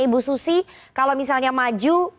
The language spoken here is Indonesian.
ibu susi kalau misalnya maju